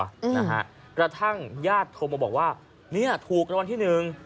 อืมนะฮะกระทั่งญาติโทรมาบอกว่าเนี้ยถูกรางวัลที่หนึ่ง